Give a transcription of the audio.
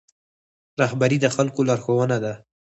رهبري د خلکو لارښوونه ده